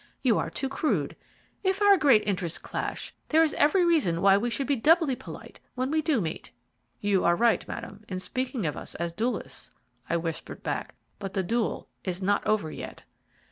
You are too crude. If our great interests clash, there is every reason why we should be doubly polite when we do meet." "You are right, Madame, in speaking of us as duellists," I whispered back, "and the duel is not over yet."